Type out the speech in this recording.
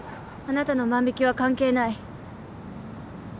あなたの万引きは関係ない。